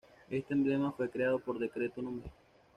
Este emblema fue creado por Decreto No.